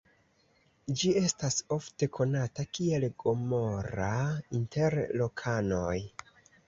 Ĝi estas ofte konata kiel "Gomora" inter lokanoj.